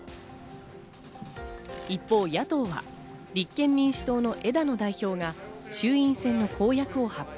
一方、野党は立憲民主党の枝野代表が、衆院選の公約を発表。